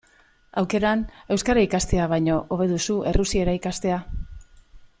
Aukeran, euskara ikastea baino, hobe duzu errusiera ikastea.